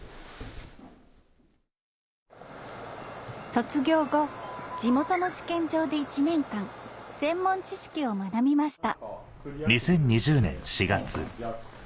卒業後地元の試験場で１年間専門知識を学びました